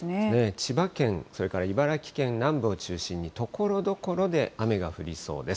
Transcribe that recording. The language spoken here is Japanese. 千葉県、それから茨城県南部を中心に、ところどころで雨が降りそうです。